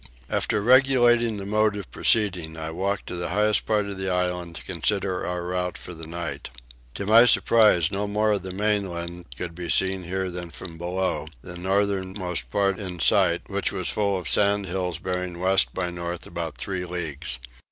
After regulating the mode of proceeding I walked to the highest part of the island to consider our route for the night. To my surprise no more of the mainland could be seen here than from below, the northernmost part in sight, which was full of sandhills bearing west by north about three leagues.